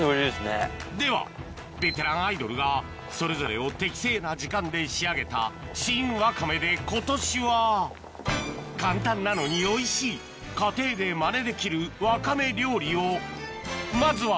ではベテランアイドルがそれぞれを適正な時間で仕上げた新ワカメで今年は簡単なのにおいしい家庭でマネできるワカメ料理をまずは